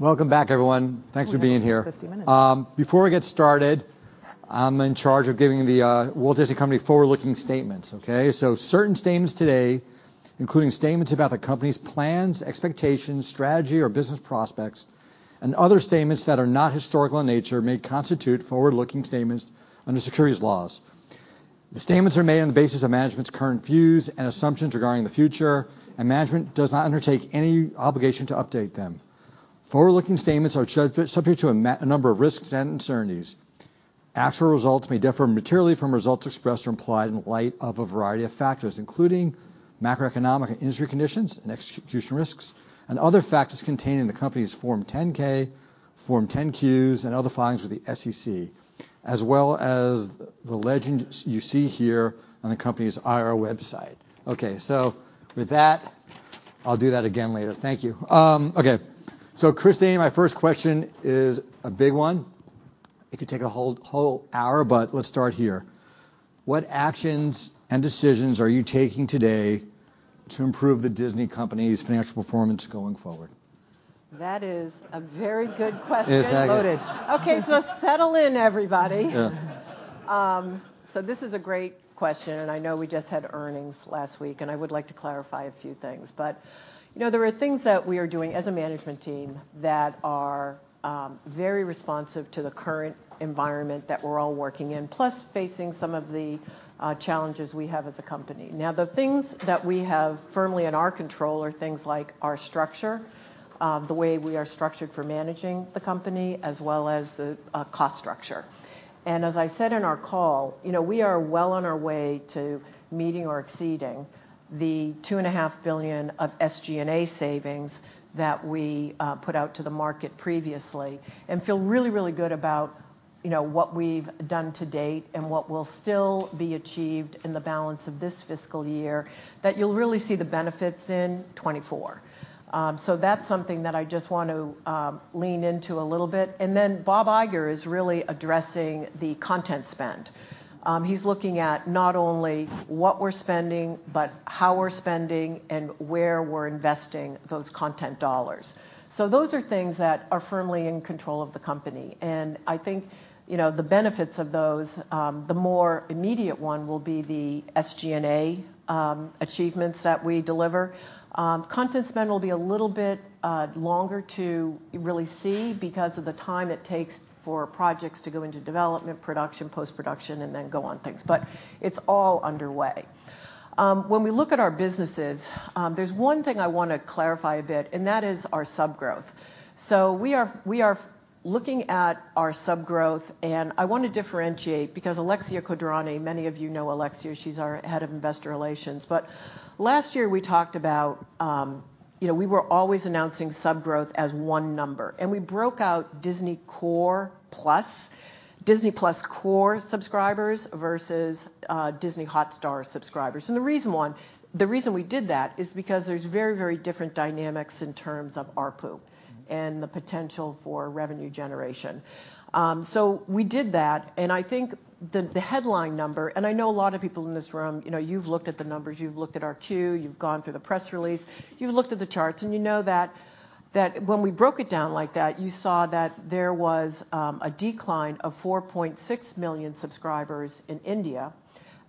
Welcome back, everyone. Thanks for being here. We've got 50 minutes. Before we get started, I'm in charge of giving The Walt Disney Company forward-looking statements. Certain statements today, including statements about the company's plans, expectations, strategy, or business prospects, and other statements that are not historical in nature, may constitute forward-looking statements under securities laws. The statements are made on the basis of management's current views and assumptions regarding the future, and management does not undertake any obligation to update them. Forward-looking statements are subject to a number of risks and uncertainties. Actual results may differ materially from results expressed or implied in light of a variety of factors, including macroeconomic and industry conditions and execution risks, and other factors contained in the company's Form 10-K, Form 10-Qs, and other filings with the SEC, as well as the legend you see here on the company's IR website. With that, I'll do that again later. Thank you. Okay. Christine, my first question is a big one. It could take a whole hour, but let's start here. What actions and decisions are you taking today to improve the Disney company's financial performance going forward? That is a very good question. Exactly. Noted. Okay. Settle in, everybody. Yeah. This is a great question, and I know we just had earnings last week, and I would like to clarify a few things. You know, there are things that we are doing as a management team that are very responsive to the current environment that we're all working in. Plus, facing some of the challenges we have as a company. Now, the things that we have firmly in our control are things like our structure, the way we are structured for managing the company, as well as the cost structure. As I said in our call, you know, we are well on our way to meeting or exceeding the two and a half billion of SG&A savings that we put out to the market previously and feel really, really good about, you know, what we've done to date and what will still be achieved in the balance of this fiscal year that you'll really see the benefits in 2024. So that's something that I just want to lean into a little bit. Bob Iger is really addressing the content spend. He's looking at not only what we're spending, but how we're spending and where we're investing those content dollars. Those are things that are firmly in control of the company, and I think, you know, the benefits of those, the more immediate one will be the SG&A achievements that we deliver. Content spend will be a little bit longer to really see because of the time it takes for projects to go into development, production, post-production, and then go on things, but it's all underway. When we look at our businesses, there's one thing I wanna clarify a bit, and that is our sub growth. We are looking at our sub growth, and I want to differentiate because Alexia Quadrani, many of you know Alexia, she's our head of investor relations, last year we talked about, you know, we were always announcing sub growth as one number, we broke out Disney+ Core subscribers versus Disney+ Hotstar subscribers. The reason we did that is because there's very different dynamics in terms of ARPU and the potential for revenue generation. We did that, and I think the headline number, and I know a lot of people in this room, you know, you've looked at the numbers, you've looked at our Q, you've gone through the press release, you've looked at the charts and you know that when we broke it down like that, you saw that there was a decline of $4.6 million subscribers in India,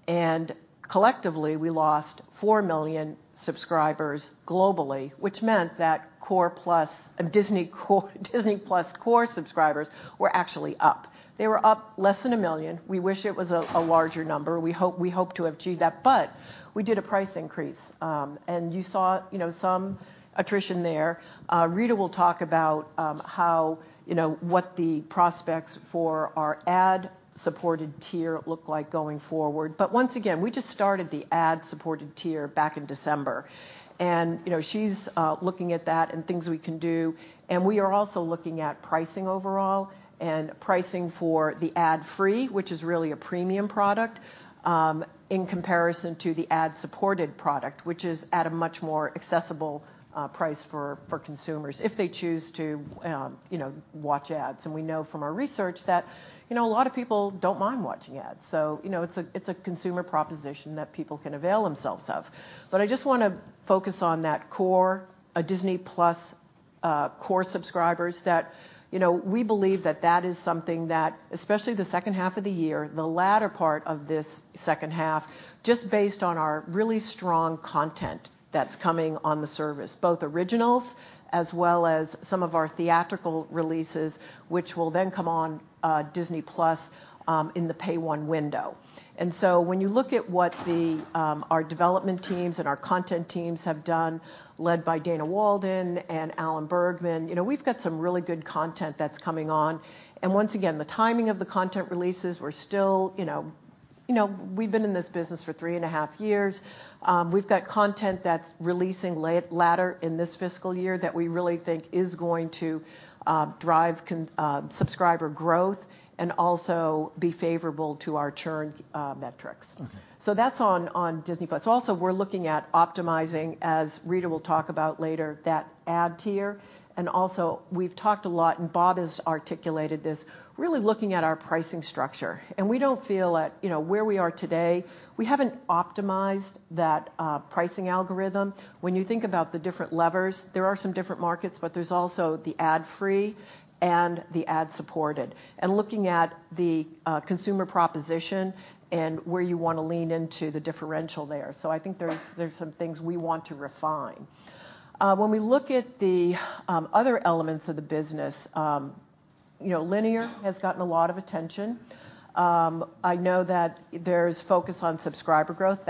and collectively, we lost $4 million subscribers globally, which meant that Core plus, Disney+ Core subscribers were actually up. They were up less than $1 million. We wish it was a larger number. We hope to achieve that, but we did a price increase. You saw, you know, some attrition there. Rita will talk about, you know, what the prospects for our ad-supported tier look like going forward. Once again, we just started the ad-supported tier back in December and, you know, she's looking at that and things we can do. We are also looking at pricing overall and pricing for the ad-free, which is really a premium product, in comparison to the ad-supported product, which is at a much more accessible price for consumers if they choose to, you know, watch ads. We know from our research that, you know, a lot of people don't mind watching ads, so you know, it's a consumer proposition that people can avail themselves of. I just wanna focus on that core Disney+ Core subscribers that, you know, we believe that that is something that, especially the second half of the year, the latter part of this second half, just based on our really strong content that's coming on the service, both originals as well as some of our theatrical releases, which will then come on Disney+ in the Pay One window. When you look at what the our development teams and our content teams have done, led by Dana Walden and Alan Bergman, you know, we've got some really good content that's coming on. Once again, the timing of the content releases, we're still, you know. You know, we've been in this business for three and a half years. We've got content that's releasing latter in this fiscal year that we really think is going to drive subscriber growth and also be favorable to our churn metrics. Mm-hmm. That's on Disney+. Also, we're looking at optimizing, as Rita will talk about later, that ad tier. Also we've talked a lot, and Bob has articulated this, really looking at our pricing structure, and we don't feel at, you know, where we are today, we haven't optimized that pricing algorithm. When you think about the different levers, there are some different markets, but there's also the ad-free and the ad-supported, and looking at the consumer proposition and where you wanna lean into the differential there. I think there's some things we want to refine. When we look at the other elements of the business, you know, linear has gotten a lot of attention. I know that there's focus on subscriber growth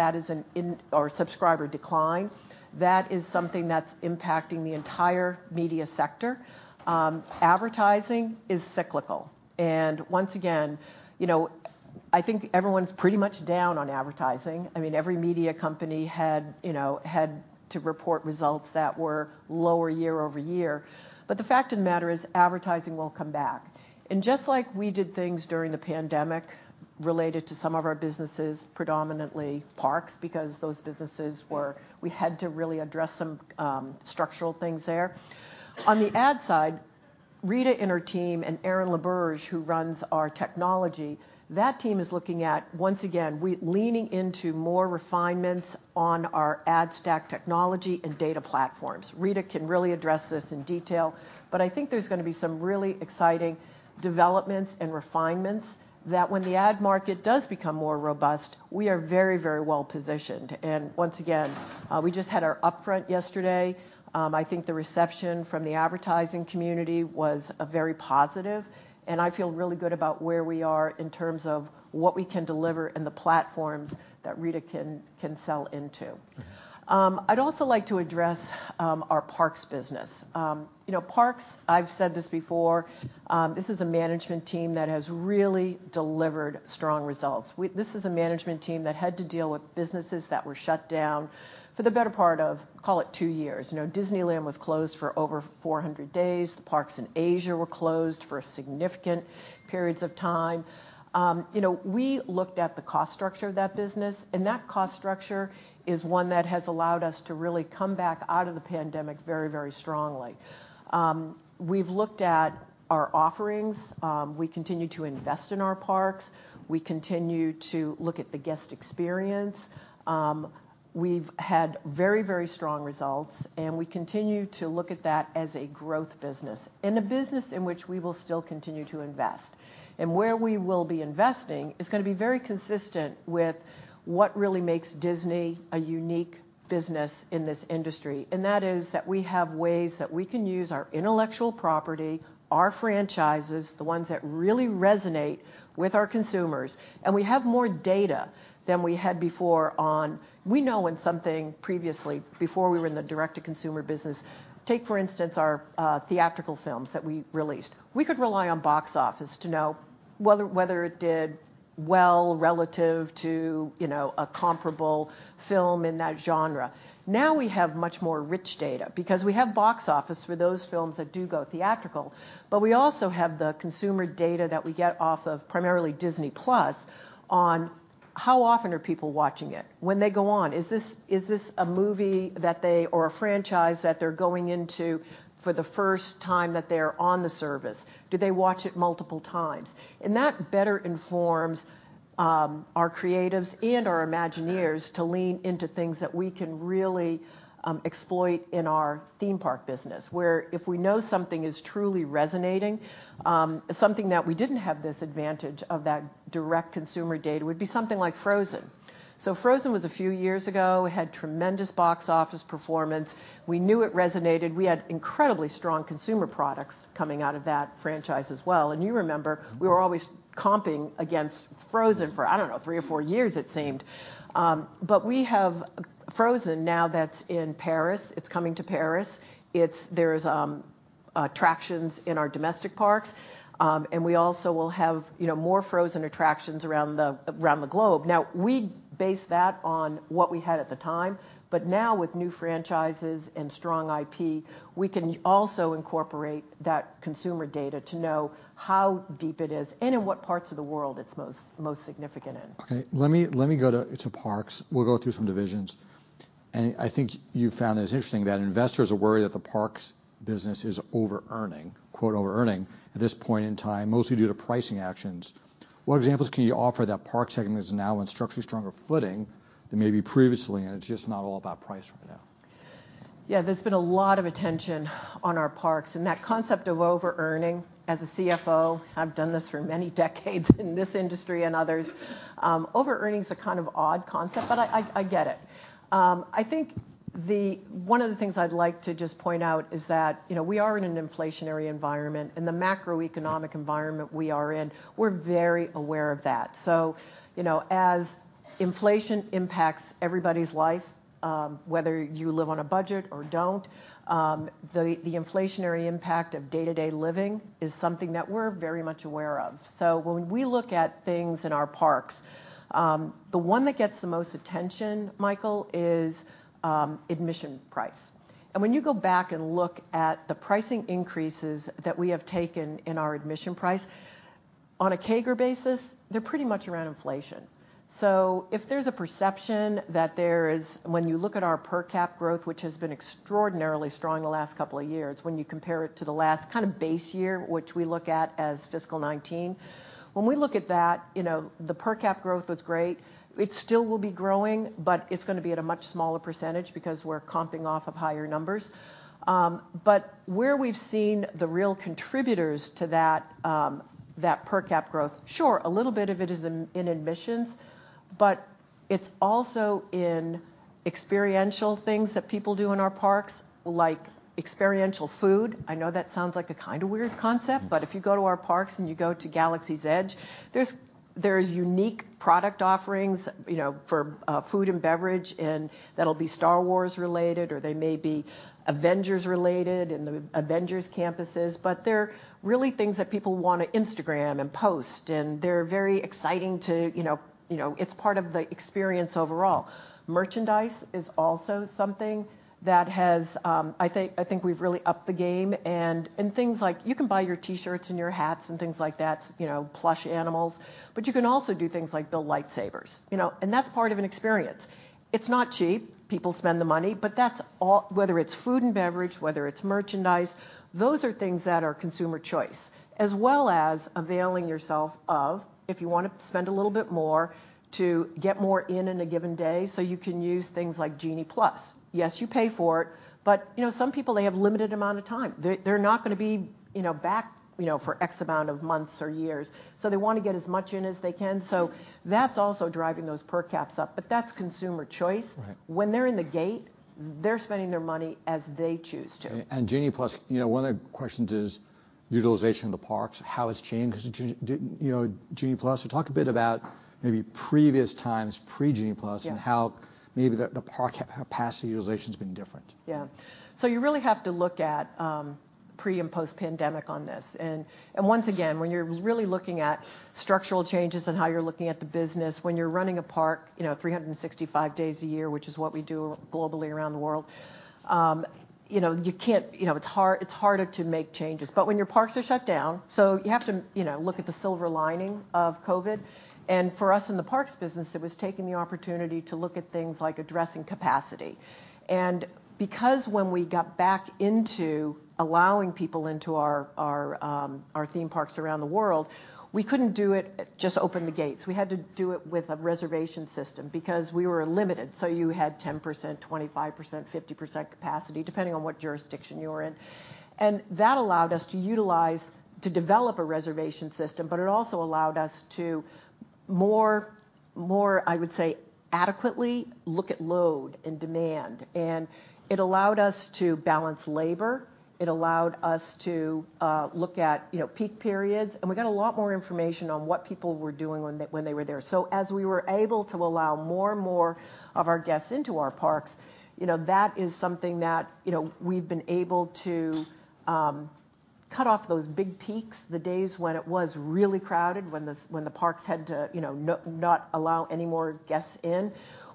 or subscriber decline. That is something that's impacting the entire media sector. Advertising is cyclical. Once again, you know, I think everyone's pretty much down on advertising. I mean, every media company had, you know, had to report results that were lower year-over-year. The fact of the matter is, advertising will come back. Just like we did things during the pandemic related to some of our businesses, predominantly parks, because those businesses we had to really address some structural things there. On the ad side, Rita and her team, and Aaron LaBerge, who runs our technology, that team is looking at, once again, leaning into more refinements on our ad stack technology and data platforms. Rita can really address this in detail, but I think there's gonna be some really exciting developments and refinements that when the ad market does become more robust, we are very, very well positioned. Once again, we just had our upfront yesterday. I think the reception from the advertising community was very positive, and I feel really good about where we are in terms of what we can deliver and the platforms that Rita can sell into. Mm-hmm. I'd also like to address our parks business. You know, parks, I've said this before, this is a management team that has really delivered strong results. This is a management team that had to deal with businesses that were shut down for the better part of, call it two years. You know, Disneyland was closed for over 400 days. The parks in Asia were closed for significant periods of time. You know, we looked at the cost structure of that business, and that cost structure is one that has allowed us to really come back out of the pandemic very, very strongly. We've looked at our offerings. We continue to invest in our parks. We continue to look at the guest experience. We've had very, very strong results, and we continue to look at that as a growth business, and a business in which we will still continue to invest. Where we will be investing is gonna be very consistent with what really makes Disney a unique business in this industry, and that is that we have ways that we can use our intellectual property, our franchises, the ones that really resonate with our consumers. We have more data than we had before. We know when something previously, before we were in the direct-to-consumer business. Take, for instance, our theatrical films that we released. We could rely on box office to know whether it did well relative to, you know, a comparable film in that genre. We have much more rich data because we have box office for those films that do go theatrical, but we also have the consumer data that we get off of primarily Disney+ on how often are people watching it? When they go on, is this a movie that they, or a franchise that they're going into for the first time that they are on the service? Do they watch it multiple times? That better informs our creatives and our Imagineers to lean into things that we can really exploit in our theme park business. Where if we know something is truly resonating, something that we didn't have this advantage of that direct consumer data would be something like Frozen. Frozen was a few years ago, had tremendous box office performance. We knew it resonated. We had incredibly strong consumer products coming out of that franchise as well. You remember, we were always comping against Frozen for, I don't know, three or four years it seemed. We have Frozen now that's in Paris, it's coming to Paris. There's attractions in our domestic parks, and we also will have, you know, more Frozen attractions around the globe. We based that on what we had at the time, but now with new franchises and strong IP, we can also incorporate that consumer data to know how deep it is and in what parts of the world it's most significant in. Okay. Let me go to Parks. We'll go through some divisions. I think you found this interesting that investors are worried that the Parks business is over-earning, quote, "over-earning" at this point in time, mostly due to pricing actions. What examples can you offer that Parks segment is now on structurally stronger footing than maybe previously, and it's just not all about price right now? Yeah, there's been a lot of attention on our parks. That concept of over-earning, as a CFO, I've done this for many decades in this industry and others. Over-earning is a kind of odd concept, but I, I get it. I think one of the things I'd like to just point out is that, you know, we are in an inflationary environment, in the macroeconomic environment we are in, we're very aware of that. You know, as inflation impacts everybody's life, whether you live on a budget or don't, the inflationary impact of day-to-day living is something that we're very much aware of. When we look at things in our parks, the one that gets the most attention, Michael, is admission price. When you go back and look at the pricing increases that we have taken in our admission price, on a CAGR basis, they're pretty much around inflation. If there's a perception that there is when you look at our per cap growth, which has been extraordinarily strong the last two years, when you compare it to the last kind of base year, which we look at as fiscal 19. When we look at that, you know, the per cap growth was great. It still will be growing, but it's gonna be at a much smaller percentage because we're comping off of higher numbers. Where we've seen the real contributors to that per cap growth, sure, a little bit of it is in admissions, It's also in experiential things that people do in our parks, like experiential food. I know that sounds like a kinda weird concept. Mm-hmm. If you go to our parks, and you go to Galaxy's Edge, there's unique product offerings, you know, for food and beverage, and that'll be Star Wars related, or they may be Avengers related, in the Avengers Campuses. They're really things that people wanna Instagram and post, and they're very exciting to, you know. It's part of the experience overall. Merchandise is also something that has, I think we've really upped the game. Things like you can buy your T-shirts and your hats and things like that, you know, plush animals, but you can also do things like build lightsabers, you know, and that's part of an experience. It's not cheap. People spend the money. Whether it's food and beverage, whether it's merchandise, those are things that are consumer choice. As well as availing yourself of, if you wanna spend a little bit more to get more in a given day, so you can use things like Genie+. Yes, you pay for it. You know, some people, they have limited amount of time. They're not gonna be, you know, back, you know, for X amount of months or years. They want to get as much in as they can, so that's also driving those per caps up. That's consumer choice. Right. When they're in the gate, they're spending their money as they choose to. Genie+, you know, one of the questions is utilization of the parks, how it's changed 'cause you know, Genie+. Talk a bit about maybe previous times pre-Genie+. Yeah. And how maybe the park capacity utilization's been different. You really have to look at pre- and post-pandemic on this. Once again, when you're really looking at structural changes and how you're looking at the business, when you're running a park, you know, 365 days a year, which is what we do globally around the world, you know, you can't. You know, it's harder to make changes. When your parks are shut down. You have to, you know, look at the silver lining of COVID. For us in the parks business, it was taking the opportunity to look at things like addressing capacity. Because when we got back into allowing people into our theme parks around the world, we couldn't do it, just open the gates. We had to do it with a reservation system because we were limited, so you had 10%, 25%, 50% capacity, depending on what jurisdiction you were in. That allowed us to utilize, to develop a reservation system, but it also allowed us to more, I would say, adequately look at load and demand. It allowed us to balance labor. It allowed us to look at, you know, peak periods. We got a lot more information on what people were doing when they were there. As we were able to allow more and more of our guests into our parks, you know, that is something that, you know, we've been able to cut off those big peaks, the days when it was really crowded, when the parks had to, you know, not allow any more guests in.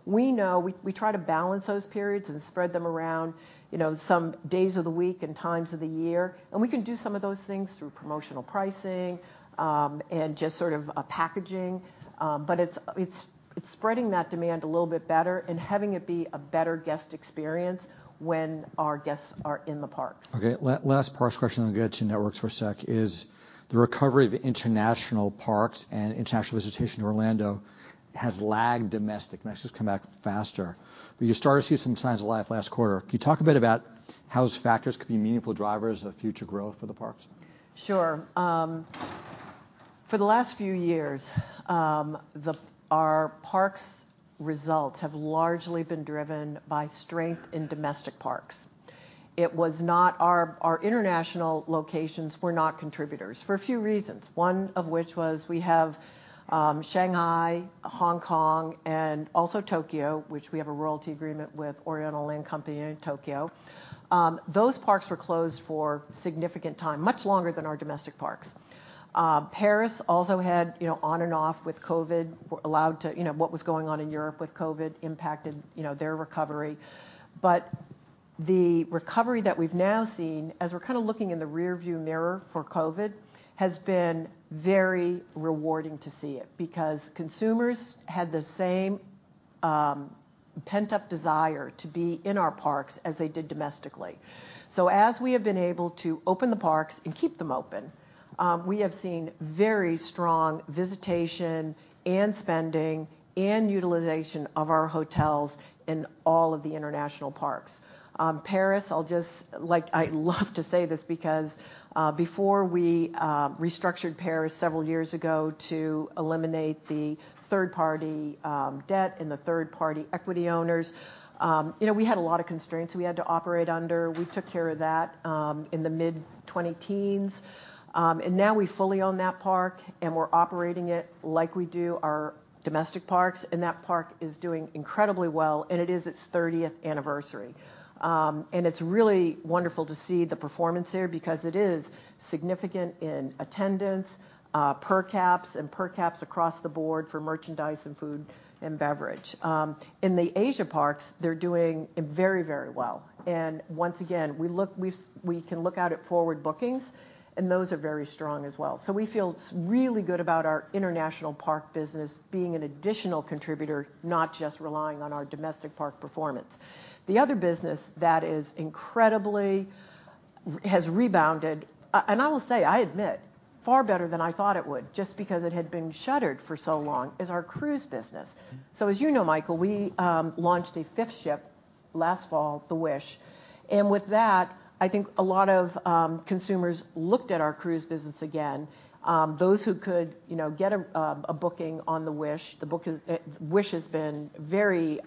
We know, we try to balance those periods and spread them around, you know, some days of the week and times of the year. We can do some of those things through promotional pricing and just sort of packaging. It's spreading that demand a little bit better and having it be a better guest experience when our guests are in the parks. Okay. Last parks question, then I'll get to networks for a sec, is the recovery of international parks and international visitation to Orlando has lagged domestic. Domestic's come back faster. You started to see some signs of life last quarter. Can you talk a bit about how those factors could be meaningful drivers of future growth for the parks? Sure. For the last few years, our parks results have largely been driven by strength in domestic parks. It was not our international locations were not contributors, for a few reasons, one of which was we have Shanghai, Hong Kong, and also Tokyo, which we have a royalty agreement with Oriental Land Company in Tokyo. Those parks were closed for significant time, much longer than our domestic parks. Paris also had, you know, on and off with COVID. You know, what was going on in Europe with COVID impacted, you know, their recovery. The recovery that we've now seen, as we're kind of looking in the rearview mirror for COVID, has been very rewarding to see it because consumers had the same pent-up desire to be in our parks as they did domestically. As we have been able to open the parks and keep them open, we have seen very strong visitation and spending and utilization of our hotels in all of the international parks. Paris, I'll just, like I love to say this because, before we restructured Paris several years ago to eliminate the third-party debt and the third-party equity owners, you know, we had a lot of constraints we had to operate under. We took care of that in the mid-2010s. Now we fully own that park, and we're operating it like we do our domestic parks. That park is doing incredibly well, and it is its 30th anniversary. It's really wonderful to see the performance there because it is significant in attendance, per caps and per caps across the board for merchandise and food and beverage. In the Asia parks, they're doing very, very well. Once again, we can look out at forward bookings, and those are very strong as well. We feel really good about our international park business being an additional contributor, not just relying on our domestic park performance. The other business that is incredibly has rebounded, and I will say, I admit, far better than I thought it would, just because it had been shuttered for so long, is our cruise business. Mm-hmm. As you know, Michael, we launched a 5th ship last fall, the Wish. With that, I think a lot of consumers looked at our cruise business again. Those who could, you know, get a booking on the Wish has been very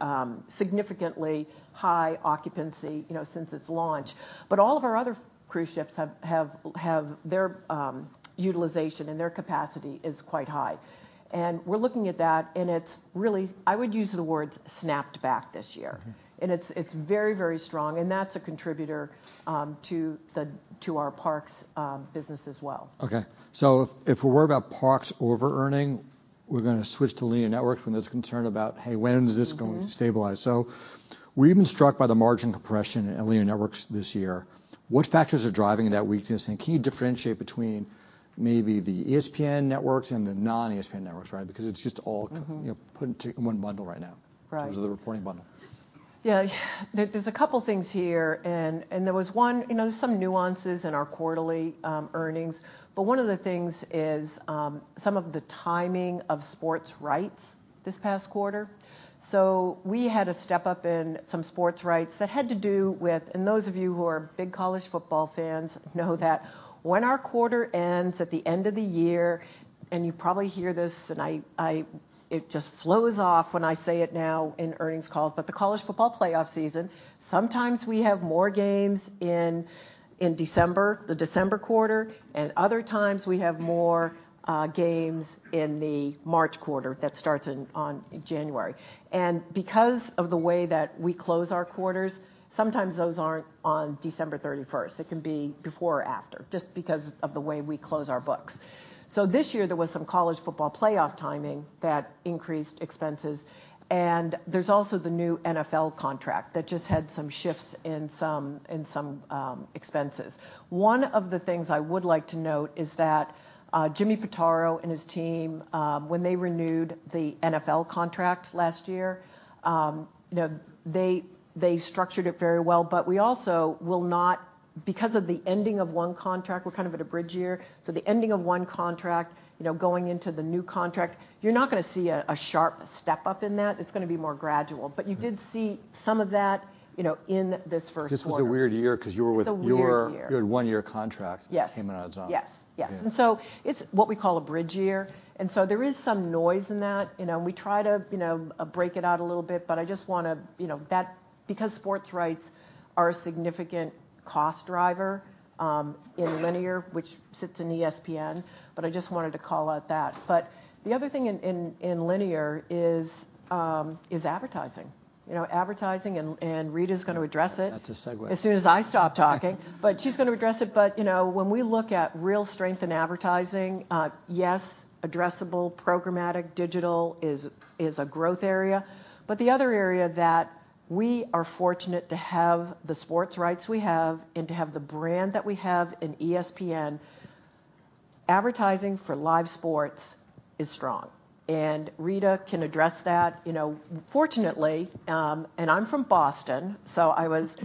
significantly high occupancy, you know, since its launch. All of our other cruise ships have their utilization and their capacity is quite high. We're looking at that, and I would use the words snapped back this year. Mm-hmm. It's very, very strong, and that's a contributor to our parks business as well. Okay. If we're worried about parks overearning, we're going to switch to Linear Networks when there's concern about, hey, when is this. Mm-hmm. To stabilize? We've been struck by the margin compression at Linear Networks this year. What factors are driving that weakness? Can you differentiate between maybe the ESPN networks and the non-ESPN networks, right? It's just all. Mm-hmm. You know, put into one bundle right now. Right. In terms of the reporting bundle. Yeah. There's a couple things here, and there was one. You know, there's some nuances in our quarterly earnings. One of the things is some of the timing of sports rights this past quarter. We had a step up in some sports rights that had to do with... Those of you who are big college football fans know that when our quarter ends at the end of the year, and you probably hear this, and I it just flows off when I say it now in earnings calls, but the college football playoff season, sometimes we have more games in December, the December quarter. Other times, we have more games in the March quarter that starts on January. Because of the way that we close our quarters, sometimes those aren't on December 31st. It can be before or after, just because of the way we close our books. This year, there was some college football playoff timing that increased expenses, and there's also the new NFL contract that just had some shifts in some expenses. One of the things I would like to note is that Jimmy Pitaro and his team, when they renewed the NFL contract last year, you know, they structured it very well. Because of the ending of one contract, we're kind of at a bridge year. The ending of 1 contract, you know, going into the new contract, you're not gonna see a sharp step up in that. It's gonna be more gradual. Mm. You did see some of that, you know, in this first quarter. This was a weird year 'cause you were with. It's a weird year. Your one-year. Yes. Came in odd zone. Yes. Yes. Yeah. It's what we call a bridge year, and so there is some noise in that. You know, we try to, you know, break it out a little bit, but I just wanted to call out that. You know, because sports rights are a significant cost driver in Linear, which sits in ESPN. The other thing in Linear is advertising. You know, advertising, and Rita's gonna address it. That's a segue. as soon as I stop talking. she's gonna address it. you know, when we look at real strength in advertising, yes, addressable, programmatic, digital is a growth area. the other area that we are fortunate to have the sports rights we have and to have the brand that we have in ESPN, advertising for live sports is strong. Rita can address that. You know, fortunately, I'm from Boston, so I was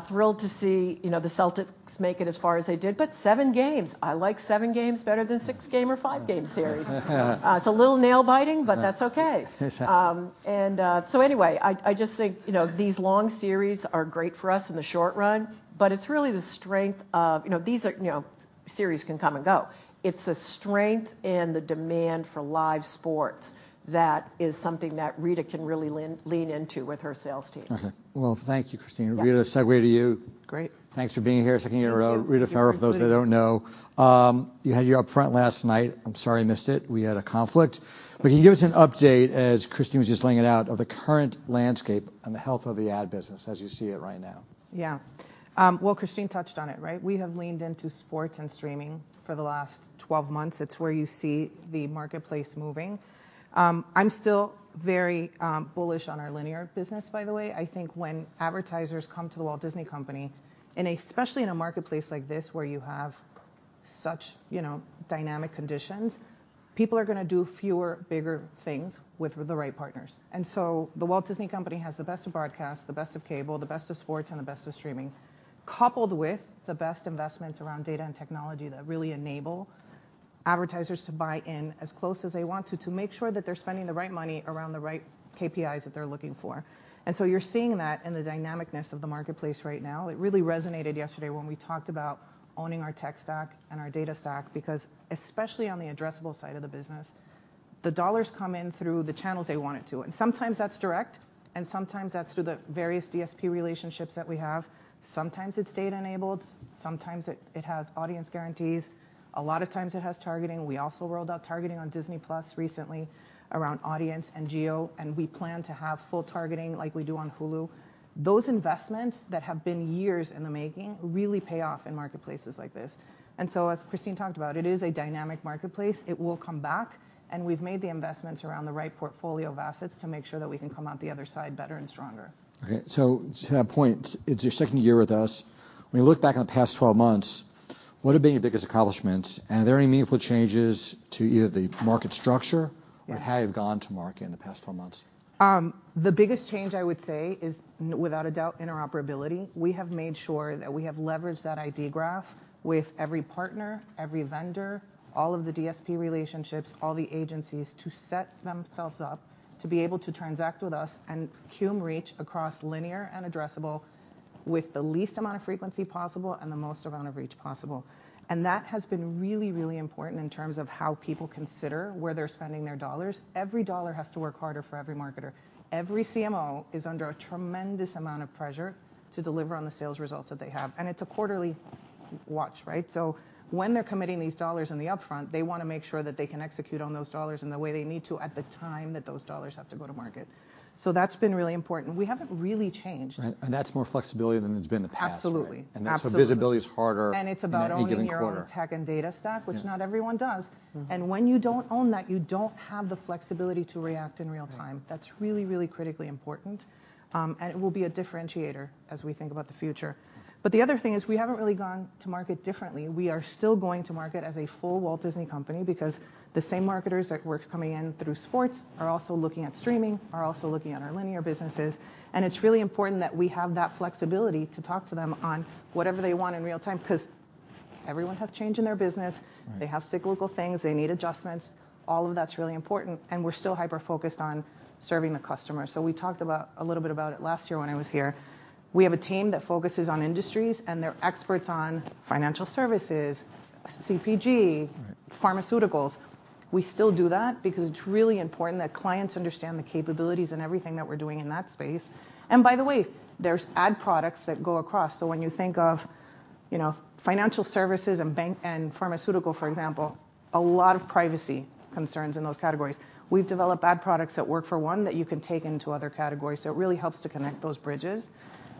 thrilled to see, you know, the Celtics make it as far as they did. seven games, I like seven games better than six-game or five-game series. it's a little nail-biting. Yeah. That's okay. Yes. Anyway, I just think, you know, these long series are great for us in the short run, but it's really the strength of... You know, these are, you know, series can come and go. It's the strength and the demand for live sports that is something that Rita can really lean into with her sales team. Okay. Well, thank you, Christine. Yeah. Rita, segue to you. Great. Thanks for being here second year in a row. Thank you. Rita Ferro, for those that don't know. You had your upfront last night. I'm sorry I missed it. We had a conflict. Can you give us an update, as Christine was just laying it out, of the current landscape and the health of the ad business as you see it right now? Yeah. Well, Christine touched on it, right? We have leaned into sports and streaming for the last 12 months. It's where you see the marketplace moving. I'm still very bullish on our linear business, by the way. I think when advertisers come to The Walt Disney Company, and especially in a marketplace like this where you have such, you know, dynamic conditions, people are gonna do fewer, bigger things with the right partners. The Walt Disney Company has the best of broadcast, the best of cable, the best of sports, and the best of streaming, coupled with the best investments around data and technology that really enable advertisers to buy in as close as they want to make sure that they're spending the right money around the right KPIs that they're looking for. You're seeing that in the dynamic-ness of the marketplace right now. It really resonated yesterday when we talked about owning our tech stack and our data stack. Especially on the addressable side of the business, the dollars come in through the channels they want it to. Sometimes that's direct, and sometimes that's through the various DSP relationships that we have. Sometimes it's data-enabled. Sometimes it has audience guarantees. A lot of times it has targeting. We also rolled out targeting on Disney+ recently around audience and geo, and we plan to have full targeting like we do on Hulu. Those investments that have been years in the making really pay off in marketplaces like this. As Christine talked about, it is a dynamic marketplace. It will come back, and we've made the investments around the right portfolio of assets to make sure that we can come out the other side better and stronger. Okay. To that point, it's your second year with us. When you look back on the past 12 months, what have been your biggest accomplishments, and are there any meaningful changes to either the market structure. Yeah. Or how you've gone to market in the past 12 months? The biggest change, I would say, is without a doubt interoperability. We have made sure that we have leveraged that ID graph with every partner, every vendor, all of the DSP relationships, all the agencies to set themselves up to be able to transact with us and cum reach across linear and addressable. With the least amount of frequency possible and the most amount of reach possible. That has been really, really important in terms of how people consider where they're spending their dollars. Every dollar has to work harder for every marketer. Every CMO is under a tremendous amount of pressure to deliver on the sales results that they have. It's a quarterly watch, right? When they're committing these dollars in the upfront, they wanna make sure that they can execute on those dollars in the way they need to at the time that those dollars have to go to market. That's been really important. We haven't really changed. Right. That's more flexibility than there's been in the past, right? Absolutely. Absolutely. That's why visibility is harder. It's about. In any given quarter. Owning your own tech and data stack. Yeah. Which not everyone does. Mm-hmm. When you don't own that, you don't have the flexibility to react in real time. Right. That's really, really critically important. It will be a differentiator as we think about the future. The other thing is we haven't really gone to market differently. We are still going to market as a full Walt Disney Company because the same marketers that were coming in through sports are also looking at streaming, are also looking at our linear businesses, and it's really important that we have that flexibility to talk to them on whatever they want in real time because everyone has change in their business. Right. They have cyclical things. They need adjustments. All of that's really important, and we're still hyper-focused on serving the customer. We talked about, a little bit about it last year when I was here. We have a team that focuses on industries, they're experts on financial services, CPG. Right Pharmaceuticals. We still do that because it's really important that clients understand the capabilities in everything that we're doing in that space. By the way, there's ad products that go across, so when you think of, you know, financial services and pharmaceutical for example, a lot of privacy concerns in those categories. We've developed ad products that work for one that you can take into other categories, so it really helps to connect those bridges.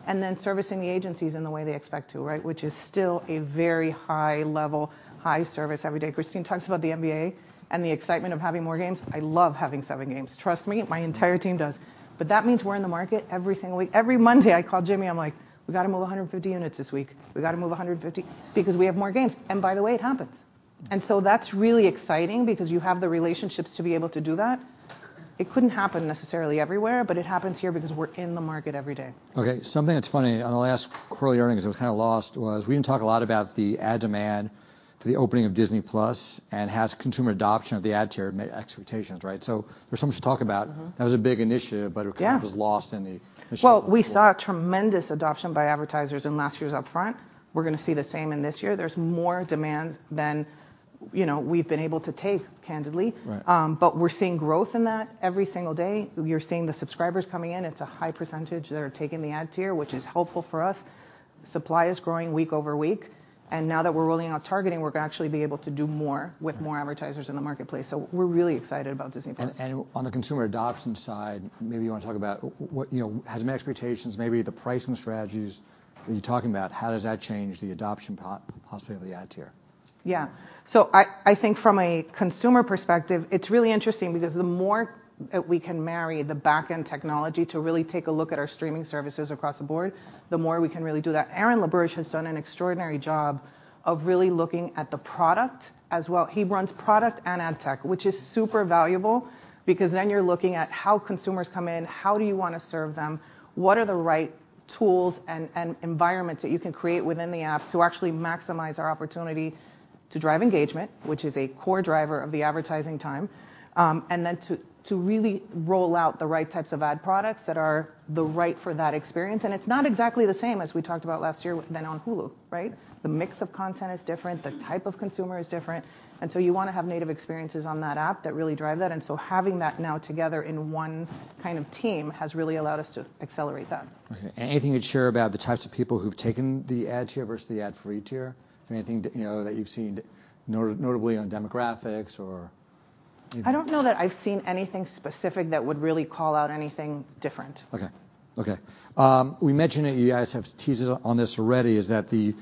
Then servicing the agencies in the way they expect to, right? Which is still a very high level, high service every day. Christine talks about the NBA and the excitement of having more games. I love having seven games. Trust me, my entire team does. That means we're in the market every single week. Every Monday, I call Jimmy, I'm like, "We gotta move 150 units this week. We gotta move 150," because we have more games. By the way, it happens. That's really exciting because you have the relationships to be able to do that. It couldn't happen necessarily everywhere, but it happens here because we're in the market every day. Okay. Something that's funny, on the last quarterly earnings that was kinda lost was we didn't talk a lot about the ad demand for the opening of Disney+ and has consumer adoption of the ad tier met expectations, right? There's something to talk about. Mm-hmm. That was a big initiative, but. Yeah Kind of was lost in the. Well, we saw a tremendous adoption by advertisers in last year's upfront. We're gonna see the same in this year. There's more demand than, you know, we've been able to take, candidly. Right. We're seeing growth in that every single day. We are seeing the subscribers coming in. It's a high percentage that are taking the ad tier, which is helpful for us. Supply is growing week over week. Now that we're rolling out targeting, we're gonna actually be able to do more. Yeah. With more advertisers in the marketplace. We're really excited about Disney+. On the consumer adoption side, maybe you wanna talk about what, you know, has met expectations, maybe the pricing strategies that you're talking about, how does that change the adoption possibly of the ad tier? I think from a consumer perspective, it's really interesting because the more that we can marry the backend technology to really take a look at our streaming services across the board, the more we can really do that. Aaron LaBerge has done an extraordinary job of really looking at the product as well. He runs product and ad tech, which is super valuable because then you're looking at how consumers come in, how do you wanna serve them? What are the right tools and environments that you can create within the app to actually maximize our opportunity to drive engagement, which is a core driver of the advertising time. Then to really roll out the right types of ad products that are the right for that experience, and it's not exactly the same as we talked about last year than on Hulu, right? The mix of content is different. The type of consumer is different, and so you wanna have native experiences on that app that really drive that, and so having that now together in one kind of team has really allowed us to accelerate that. Okay. Anything you'd share about the types of people who've taken the ad tier versus the ad-free tier? Anything you know, that you've seen notably on demographics or anything? I don't know that I've seen anything specific that would really call out anything different. Okay. Okay. We mentioned that you guys have teased on this already, is that the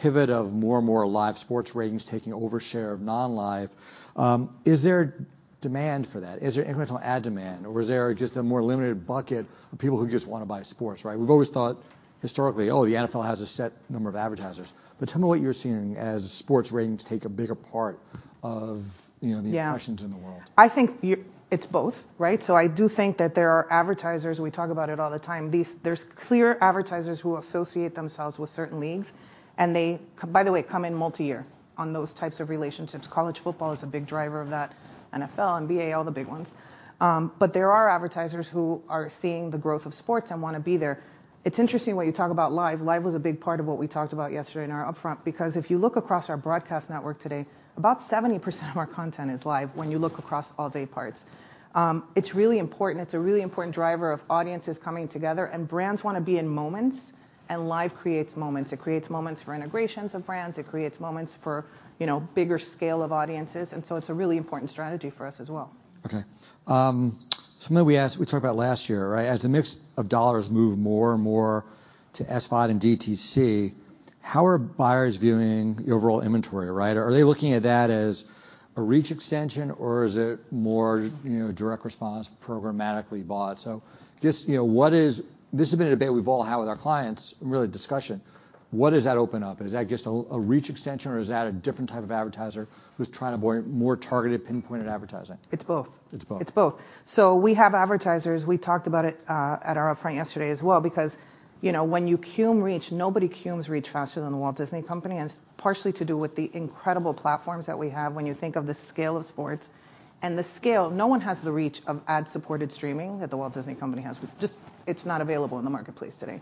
pivot of more and more live sports ratings taking over share of non-live. Is there demand for that? Is there incremental ad demand or is there just a more limited bucket of people who just wanna buy sports, right? We've always thought historically, oh, the NFL has a set number of advertisers. Tell me what you're seeing as sports ratings take a bigger part of, you know. Yeah. The impressions in the world. I think it's both, right? I do think that there are advertisers, we talk about it all the time, there's clear advertisers who associate themselves with certain leagues, and they, by the way, come in multi-year on those types of relationships. College football is a big driver of that. NFL, NBA, all the big ones. There are advertisers who are seeing the growth of sports and wanna be there. It's interesting what you talk about live. Live was a big part of what we talked about yesterday in our upfront because if you look across our broadcast network today, about 70% of our content is live when you look across all day parts. It's really important. It's a really important driver of audiences coming together and brands wanna be in moments, and live creates moments. It creates moments for integrations of brands. It creates moments for, you know, bigger scale of audiences, and so it's a really important strategy for us as well. Okay. Something we talked about last year, right? As the mix of dollars move more and more to SVOD and DTC, how are buyers viewing your overall inventory, right? Are they looking at that as a reach extension or is it more, you know, direct response programmatically bought? Just, you know, what is. This has been a debate we've all had with our clients, really a discussion. What does that open up? Is that just a reach extension or is that a different type of advertiser? Who's trying to bring more targeted, pinpointed advertising? It's both. It's both. It's both. We have advertisers, we talked about it at our upfront yesterday as well, because, you know, when you cum reach, nobody cums reach faster than The Walt Disney Company, and it's partially to do with the incredible platforms that we have when you think of the scale of sports and the scale. No one has the reach of ad-supported streaming that The Walt Disney Company has. Just, it's not available in the marketplace today.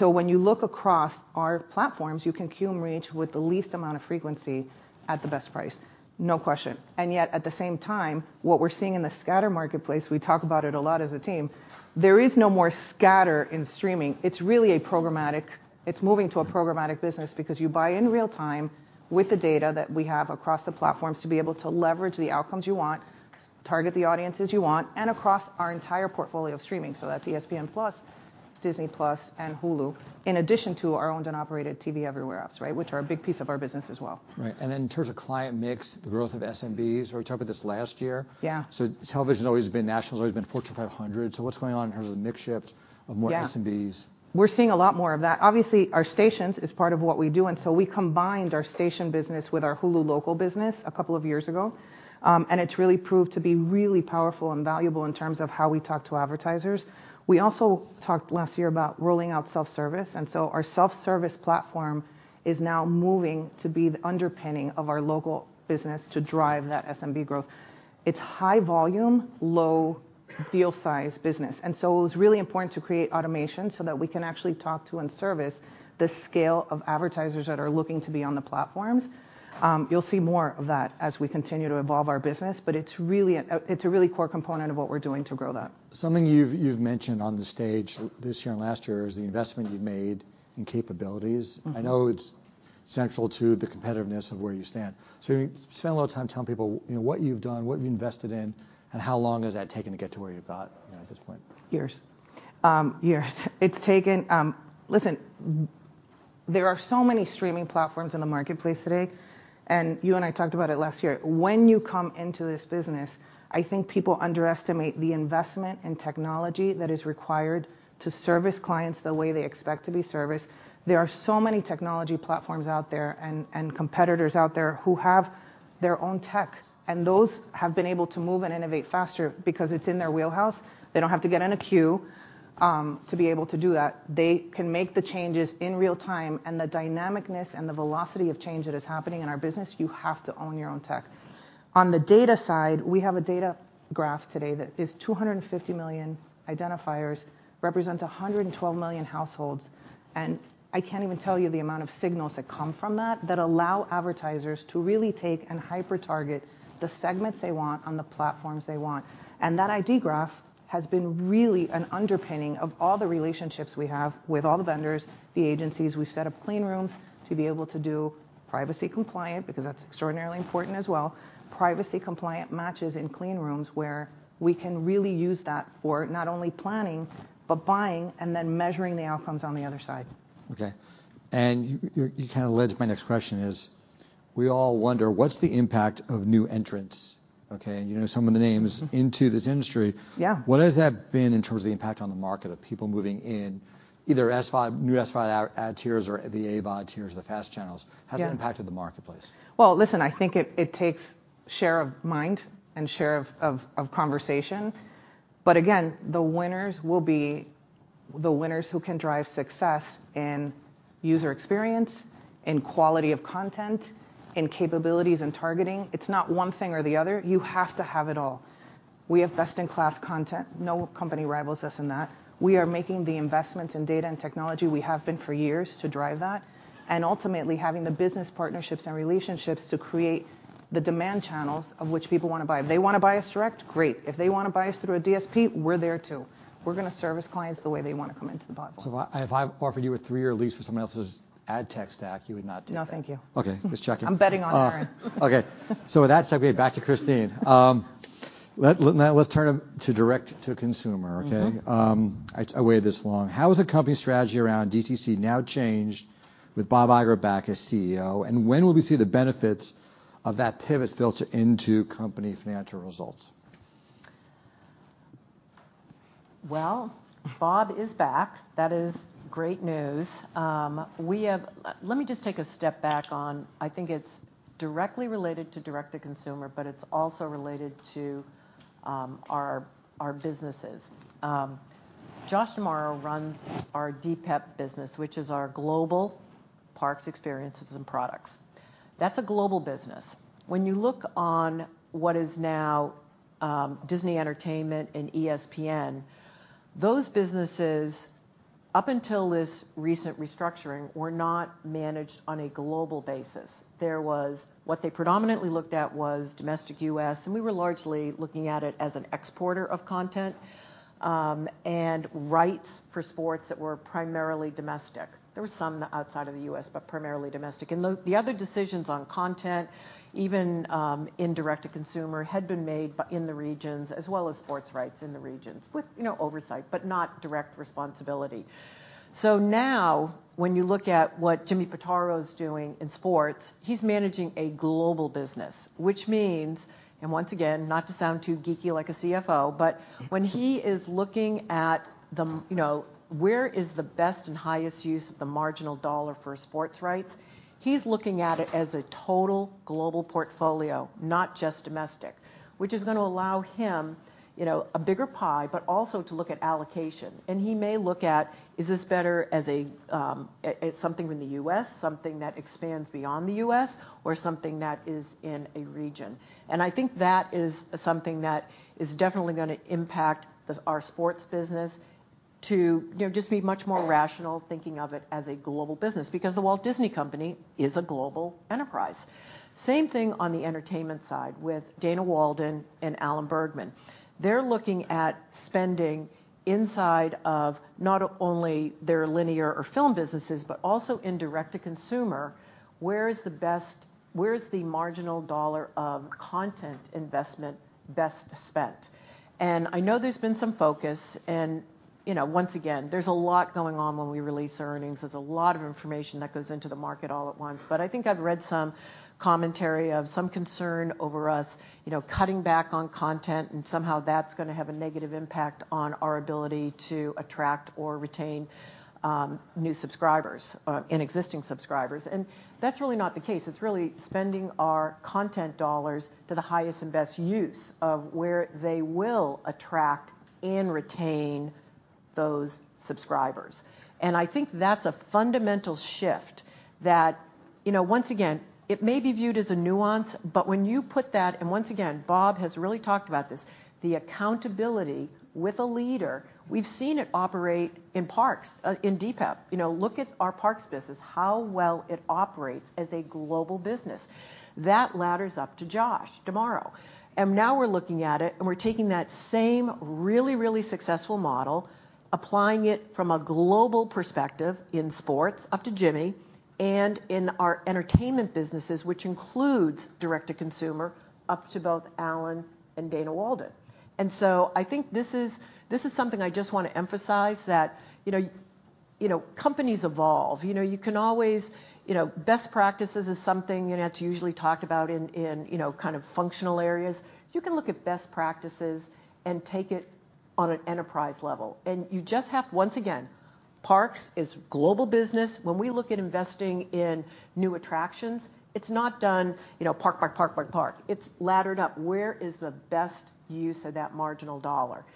When you look across our platforms, you can cum reach with the least amount of frequency at the best price, no question. Yet, at the same time, what we're seeing in the scatter marketplace, we talk about it a lot as a team, there is no more scatter in streaming. It's really a programmatic. It's moving to a programmatic business because you buy in real-time with the data that we have across the platforms to be able to leverage the outcomes you want, target the audiences you want, and across our entire portfolio of streaming. That's ESPN+, Disney+, and Hulu, in addition to our owned and operated TV everywhere else, right? Which are a big piece of our business as well. Right. Then in terms of client mix, the growth of SMBs, we talked about this last year. Yeah. Television's always been national, it's always been Fortune 500. What's going on in terms of the mix shift of. Yeah. SMBs? We're seeing a lot more of that. Obviously, our stations is part of what we do, and so we combined our station business with our Hulu local business a couple of years ago. It's really proved to be really powerful and valuable in terms of how we talk to advertisers. We also talked last year about rolling out self-service. Our self-service platform is now moving to be the underpinning of our local business to drive that SMB growth. It's high volume, low deal size business, and so it was really important to create automation so that we can actually talk to and service the scale of advertisers that are looking to be on the platforms. You'll see more of that as we continue to evolve our business. It's a really core component of what we're doing to grow that. Something you've mentioned on the stage this year and last year is the investment you've made in capabilities. Mm-hmm. I know it's central to the competitiveness of where you stand. Spend a little time telling people, you know, what you've done, what you've invested in, and how long has that taken to get to where you've got, you know, at this point? Years. Years. It's taken. Listen, there are so many streaming platforms in the marketplace today, and you and I talked about it last year. When you come into this business, I think people underestimate the investment in technology that is required to service clients the way they expect to be serviced. There are so many technology platforms out there and competitors out there who have their own tech, and those have been able to move and innovate faster because it's in their wheelhouse. They don't have to get in a queue to be able to do that. They can make the changes in real-time, and the dynamic-ness and the velocity of change that is happening in our business, you have to own your own tech. On the data side, we have a data graph today that is 250 million identifiers, represents 112 million households, I can't even tell you the amount of signals that come from that allow advertisers to really take and hyper-target the segments they want on the platforms they want. That ID graph has been really an underpinning of all the relationships we have with all the vendors, the agencies. We've set up clean rooms to be able to do privacy compliant, because that's extraordinarily important as well. Privacy compliant matches in clean rooms where we can really use that for not only planning, but buying and then measuring the outcomes on the other side. Okay. You kind of led to my next question is, we all wonder what's the impact of new entrants, okay, you know some of the names. Mm-hmm Into this industry. Yeah. What has that been in terms of the impact on the market of people moving in either SVOD, new SVOD ad tiers or the AVOD tiers or the FAST channels? Yeah. How's it impacted the marketplace? Well, listen, I think it takes share of mind and share of conversation. Again, the winners will be the winners who can drive success in user experience, in quality of content, in capabilities and targeting. It's not one thing or the other. You have to have it all. We have best in class content. No company rivals us in that. We are making the investments in data and technology, we have been for years, to drive that. Ultimately, having the business partnerships and relationships to create the demand channels of which people wanna buy. If they wanna buy us direct, great. If they wanna buy us through a DSP, we're there too. We're gonna service clients the way they wanna come into the platform. if I offered you a three-year lease for someone else's ad tech stack, you would not take that? No, thank you. Okay. Just checking. I'm betting on Karen. Okay. With that said, we are back to Christine. now let's turn to direct to consumer, okay? Mm-hmm. I waited this long. How has the company strategy around DTC now changed with Bob Iger back as CEO? When will we see the benefits of that pivot filter into company financial results? Bob is back. That is great news. Let me just take a step back on I think it's directly related to direct to consumer, but it's also related to our businesses. Josh D'Amaro runs our DPEP business, which is our global parks, experiences, and products. That's a global business. When you look on what is now, Disney Entertainment and ESPN, those businesses, up until this recent restructuring, were not managed on a global basis. What they predominantly looked at was domestic U.S., and we were largely looking at it as an exporter of content, and rights for sports that were primarily domestic. There were some outside of the U.S., but primarily domestic. The other decisions on content, even in direct to consumer, had been made by, in the regions, as well as sports rights in the regions with, you know, oversight, but not direct responsibility. So now when you look at what Jimmy Pitaro's doing in sports, he's managing a global business. Which means, and once again, not to sound too geeky like a CFO, but when he is looking at the, you know, where is the best and highest use of the marginal $1 for sports rights, he's looking at it as a total global portfolio, not just domestic. Which is gonna allow him, you know, a bigger pie, but also to look at allocation. He may look at, is this better as something in the US, something that expands beyond the US, or something that is in a region? I think that is something that is definitely gonna impact our sports business to, you know, just be much more rational thinking of it as a global business because The Walt Disney Company is a global enterprise. Same thing on the entertainment side with Dana Walden and Alan Bergman. They're looking at spending inside of not only their linear or film businesses, but also in direct-to-consumer, where is the marginal dollar of content investment best spent? I know there's been some focus and, you know, once again, there's a lot going on when we release our earnings. There's a lot of information that goes into the market all at once. I think I've read some commentary of some concern over us, you know, cutting back on content and somehow that's gonna have a negative impact on our ability to attract or retain new subscribers and existing subscribers, and that's really not the case. It's really spending our content dollars to the highest and best use of where they will attract and retain those subscribers. I think that's a fundamental shift that, you know, once again, it may be viewed as a nuance, but when you put that, and once again, Bob has really talked about this, the accountability with a leader, we've seen it operate in parks in DPEP. You know, look at our parks business, how well it operates as a global business. That ladders up to Josh D'Amaro. Now we're looking at it and we're taking that same really, really successful model, applying it from a global perspective in sports up to Jimmy, and in our entertainment businesses which includes direct-to-consumer up to both Alan and Dana Walden. I think this is something I just want to emphasize that, you know, companies evolve. You know, you can always, you know, best practices is something, you know, it's usually talked about in, you know, kind of functional areas. You can look at best practices and take it on an enterprise level, you just have, once again, parks is global business. When we look at investing in new attractions, it's not done, you know, park by park by park. It's laddered up. Where is the best use of that marginal US dollar?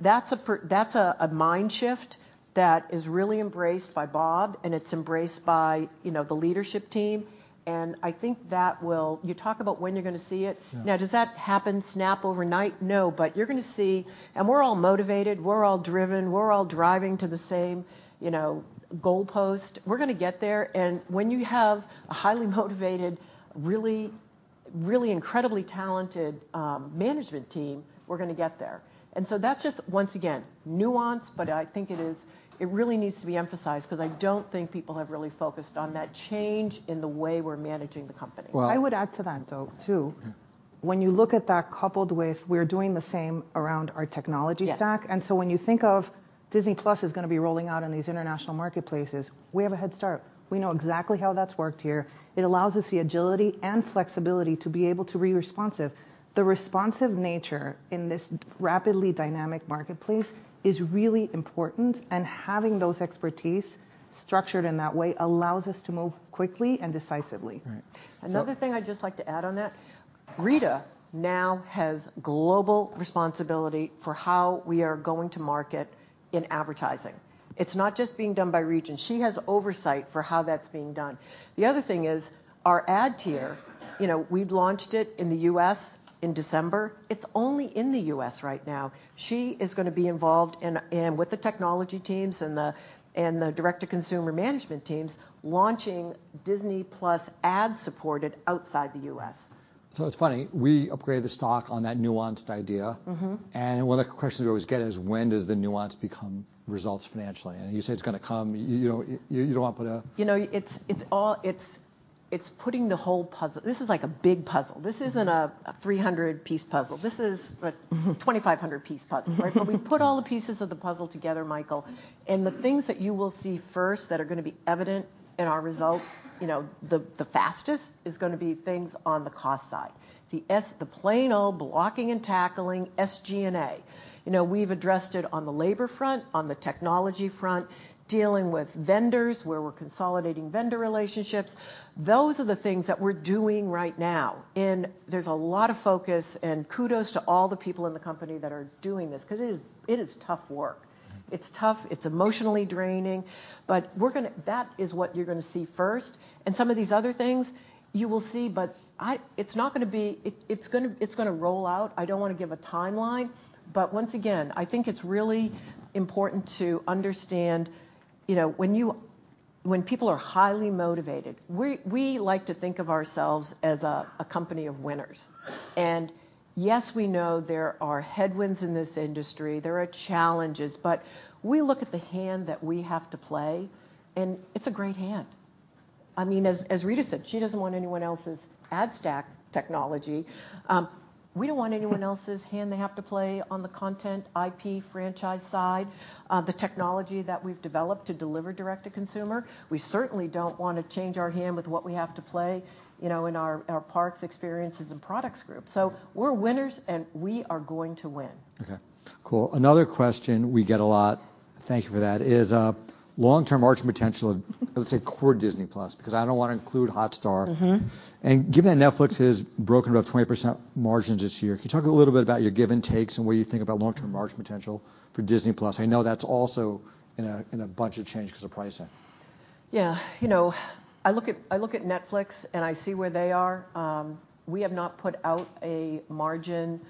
That's a mind shift that is really embraced by Bob and it's embraced by, you know, the leadership team and I think that will... You talk about when you're gonna see it. Yeah. Does that happen snap overnight? No. You're gonna see. We're all motivated, we're all driven, we're all driving to the same, you know, goalpost. We're gonna get there, and when you have a highly motivated, really incredibly talented management team, we're gonna get there. That's just, once again, nuance, but I think it is, it really needs to be emphasized 'cause I don't think people have really focused on that change in the way we're managing the company. Well. I would add to that though too. Yeah. When you look at that coupled with we're doing the same around our technology stack. Yes. When you think of Disney+ is going to be rolling out in these international marketplaces, we have a head start. We know exactly how that's worked here. It allows us the agility and flexibility to be able to be responsive. The responsive nature in this rapidly dynamic marketplace is really important, and having those expertise structured in that way allows us to move quickly and decisively. Right. Another thing I'd just like to add on that, Rita now has global responsibility for how we are going to market in advertising. It's not just being done by region. She has oversight for how that's being done. The other thing is our ad tier, you know, we've launched it in the U.S. in December. It's only in the U.S. right now. She is gonna be involved in, and with the technology teams and the direct-to-consumer management teams, launching Disney+ ad supported outside the U.S. It's funny, we upgraded the stock on that nuanced idea. Mm-hmm. One of the questions we always get is when does the nuance become results financially? You say it's gonna come, you know, you don't wanna put. You know, it's all, it's putting the whole puzzle. This is like a big puzzle. This isn't a 300 piece puzzle. This is a 2,500 piece puzzle. Right? We put all the pieces of the puzzle together, Michael, and the things that you will see first that are gonna be evident in our results, you know, the fastest is gonna be things on the cost side. The plain old blocking and tackling SG&A. You know, we've addressed it on the labor front, on the technology front, dealing with vendors where we're consolidating vendor relationships. Those are the things that we're doing right now. There's a lot of focus and kudos to all the people in the company that are doing this 'cause it is, it is tough work. Mm-hmm. It's tough. It's emotionally draining. That is what you're gonna see first. Some of these other things you will see. It's gonna roll out. I don't wanna give a timeline. Once again, I think it's really important to understand, you know, when people are highly motivated, we like to think of ourselves as a company of winners. Yes, we know there are headwinds in this industry, there are challenges, but we look at the hand that we have to play, and it's a great hand. I mean, as Rita Ferro said, she doesn't want anyone else's ad stack technology. We don't want anyone else's hand they have to play on the content IP franchise side, the technology that we've developed to deliver direct-to-consumer. We certainly don't wanna change our hand with what we have to play, you know, in our Parks, Experiences and Products group. We're winners, and we are going to win. Okay. Cool. Another question we get a lot, thank you for that, is long-term margin potential let's say core Disney+ because I don't wanna include Hotstar. Mm-hmm. Given that Netflix has broken about 20% margins this year, can you talk a little bit about your give and takes, and what you think about long-term margin potential for Disney+? I know that's also in a bunch of change 'cause of pricing. Yeah, you know, I look at, I look at Netflix, and I see where they are. We have not put out a margin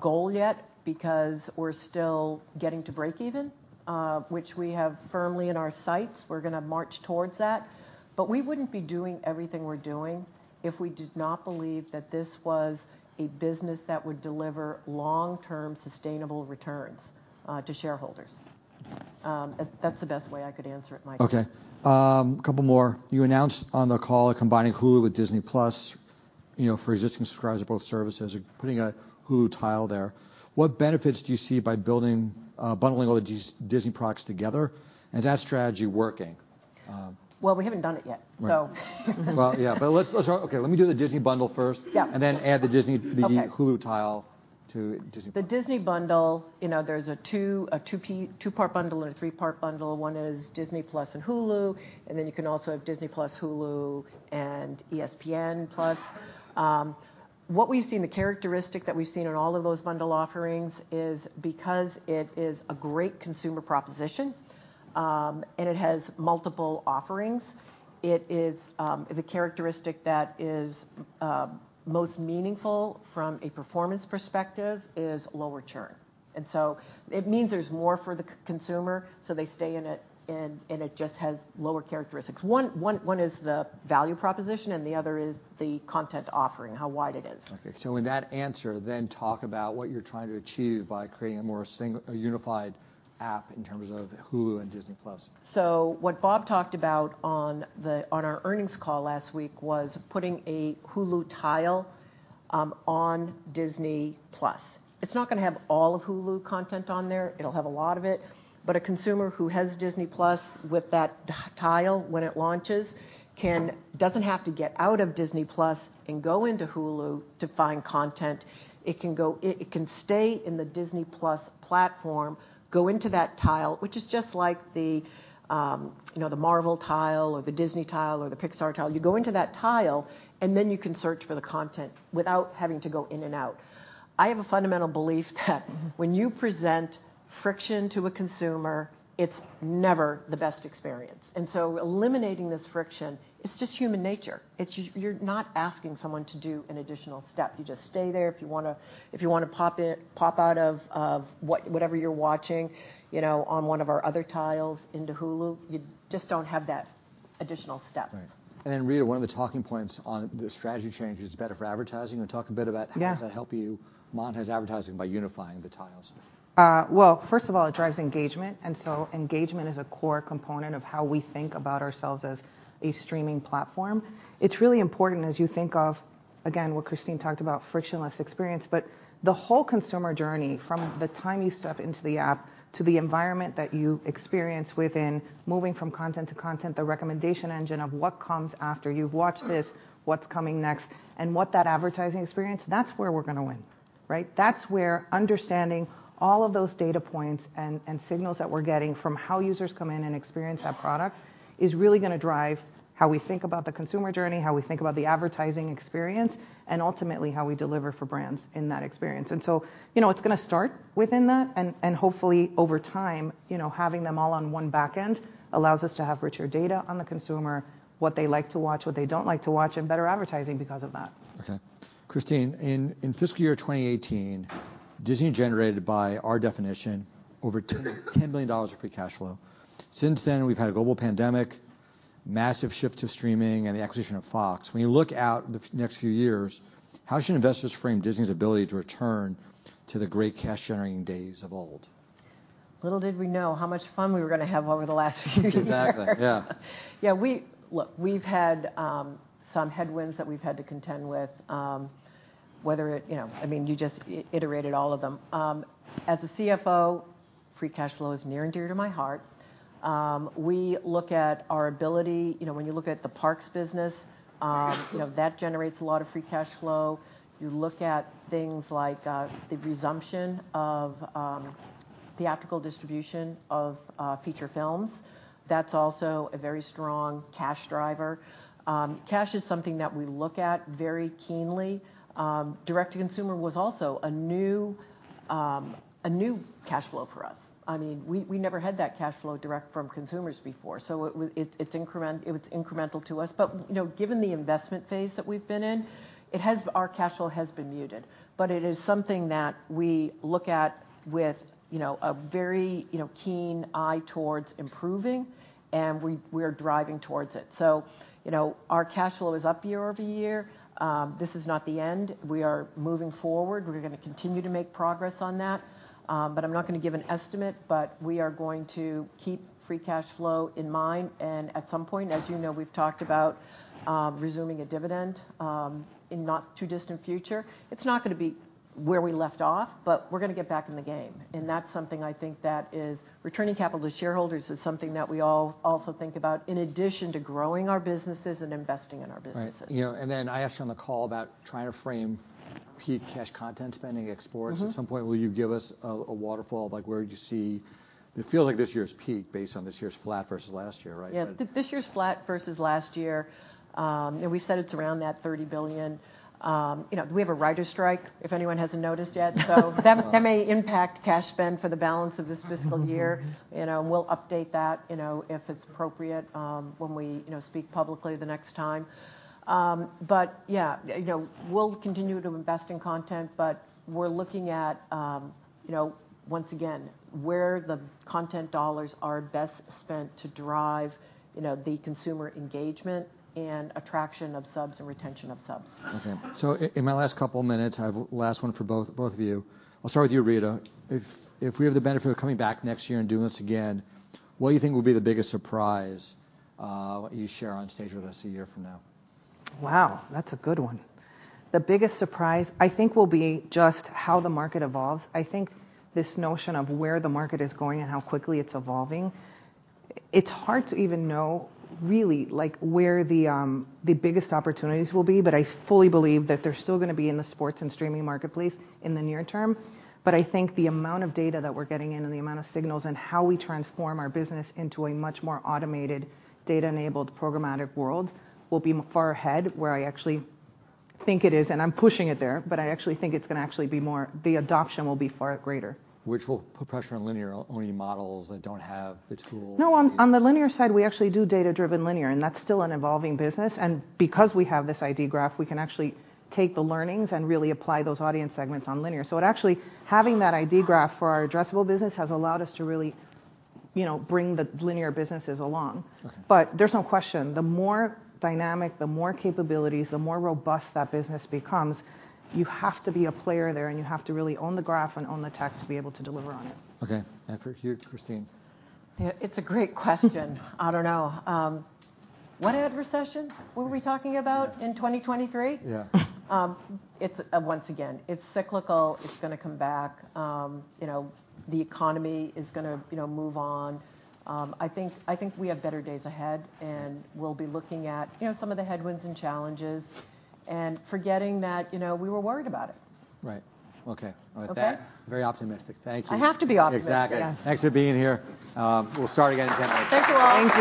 goal yet because we're still getting to breakeven, which we have firmly in our sights. We're gonna march towards that. We wouldn't be doing everything we're doing if we did not believe that this was a business that would deliver long-term sustainable returns to shareholders. That's the best way I could answer it, Mike. Okay. Two more. You announced on the call combining Hulu with Disney+, you know, for existing subscribers of both services. You're putting a Hulu tile there. What benefits do you see by bundling all of these Disney products together? Is that strategy working? Well, we haven't done it yet. Right. So. Well, yeah. Okay, let me do the Disney bundle first. Yeah. And then add the Disney. Okay. The Hulu tile to Disney+. The Disney bundle, you know, there's a two-part bundle and a three-part bundle. One is Disney+ and Hulu, and then you can also have Disney+ Hulu and ESPN+. What we've seen, the characteristic that we've seen on all of those bundle offerings is because it is a great consumer proposition, and it has multiple offerings, it is the characteristic that is most meaningful from a performance perspective is lower churn. So it means there's more for the consumer, so they stay in it and it just has lower characteristics. One is the value proposition, and the other is the content offering, how wide it is. In that answer then talk about what you're trying to achieve by creating a more unified app in terms of Hulu and Disney+. What Bob talked about on our earnings call last week was putting a Hulu tile on Disney+. It's not gonna have all of Hulu content on there. It'll have a lot of it. A consumer who has Disney+ with that tile when it launches doesn't have to get out of Disney+ and go into Hulu to find content. It can stay in the Disney+ platform, go into that tile, which is just like the, you know, the Marvel tile or the Disney tile or the Pixar tile. You go into that tile, and then you can search for the content without having to go in and out. I have a fundamental belief that when you present friction to a consumer, it's never the best experience. Eliminating this friction, it's just human nature. It's just, you're not asking someone to do an additional step. You just stay there. If you wanna pop in, pop out of what, whatever you're watching, you know, on one of our other tiles into Hulu, you just don't have that additional steps. Right. Rita, one of the talking points on the strategy change is better for advertising. You wanna talk a bit about. Yeah. How does that help you monetize advertising by unifying the tiles? Well, first of all, it drives engagement is a core component of how we think about ourselves as a streaming platform. It's really important as you think of, again, what Christine talked about, frictionless experience. The whole consumer journey from the time you step into the app to the environment that you experience within, moving from content to content, the recommendation engine of what comes after you've watched this, what's coming next, what that advertising experience, that's where we're gonna win. Right? That's where understanding all of those data points and signals that we're getting from how users come in and experience that product is really gonna drive how we think about the consumer journey, how we think about the advertising experience, ultimately how we deliver for brands in that experience. you know, it's gonna start within that, and hopefully over time, you know, having them all on one backend allows us to have richer data on the consumer, what they like to watch, what they don't like to watch, and better advertising because of that. Okay. Christine, in fiscal year 2018, Disney generated by our definition over $10 billion of free cash flow. Since then, we've had a global pandemic, massive shift to streaming and the acquisition of Fox. When you look out the next few years, how should investors frame Disney's ability to return to the great cash generating days of old? Little did we know how much fun we were gonna have over the last few years. Exactly, yeah. Yeah. Look, we've had some headwinds that we've had to contend with, whether it... You know, I mean, you just iterated all of them. As a CFO, free cash flow is near and dear to my heart. We look at our ability... You know, when you look at the parks business, you know, that generates a lot of free cash flow. You look at things like the resumption of theatrical distribution of feature films. That's also a very strong cash driver. Cash is something that we look at very keenly. Direct to consumer was also a new cash flow for us. I mean, we never had that cash flow direct from consumers before. It was incremental to us. You know, given the investment phase that we've been in, our cash flow has been muted. It is something that we look at with, you know, a very, you know, keen eye towards improving, and we're driving towards it. You know, our cash flow is up year-over-year. This is not the end. We are moving forward. We're going to continue to make progress on that. I'm not going to give an estimate, but we are going to keep free cash flow in mind. At some point, as you know, we've talked about resuming a dividend in not too distant future. It's not going to be where we left off, but we're going to get back in the game, and that's something I think that is... Returning capital to shareholders is something that we also think about in addition to growing our businesses and investing in our businesses. Right. You know, I asked you on the call about trying to frame peak cash content spending at sports. Mm-hmm. At some point, will you give us a waterfall like where you see... It feels like this year's peak based on this year's flat versus last year, right? Yeah. This year's flat versus last year, you know, we said it's around that $30 billion. You know, we have a writers' strike if anyone hasn't noticed yet. That may impact cash spend for the balance of this fiscal year. Mm-hmm. You know, we'll update that, you know, if it's appropriate, when we, you know, speak publicly the next time. Yeah, you know, we'll continue to invest in content, but we're looking at, you know, once again, where the content dollars are best spent to drive, you know, the consumer engagement and attraction of subs and retention of subs. Okay. In my last couple minutes, I have last one for both of you. I'll start with you, Rita. If we have the benefit of coming back next year and doing this again, what you think will be the biggest surprise you share on stage with us a year from now? Wow, that's a good one. The biggest surprise I think will be just how the market evolves. I think this notion of where the market is going and how quickly it's evolving, it's hard to even know really, like, where the biggest opportunities will be, but I fully believe that they're still gonna be in the sports and streaming marketplace in the near term. But I think the amount of data that we're getting in and the amount of signals and how we transform our business into a much more automated data-enabled programmatic world will be far ahead where I actually think it is, and I'm pushing it there, but I actually think it's gonna actually be more the adoption will be far greater. Will put pressure on linear only models that don't have the tools. No, on the linear side, we actually do data-driven linear, and that's still an evolving business. Because we have this ID graph, we can actually take the learnings and really apply those audience segments on linear. It actually, having that ID graph for our addressable business has allowed us to really, you know, bring the linear businesses along. Okay. There's no question, the more dynamic, the more capabilities, the more robust that business becomes, you have to be a player there, and you have to really own the graph and own the tech to be able to deliver on it. Okay. After you, Christine. It's a great question. I don't know. What ad recession were we talking about in 2023? Yeah. It's, once again, it's cyclical. It's gonna come back. You know, the economy is gonna, you know, move on. I think we have better days ahead, and we'll be looking at, you know, some of the headwinds and challenges and forgetting that, you know, we were worried about it. Right. Okay. Okay. With that, very optimistic. Thank you. I have to be optimistic. Exactly. Yes. Thanks for being here. We'll start again in 10 minutes. Thank you, all. Thank you.